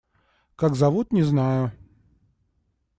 Как зовут, не знаю.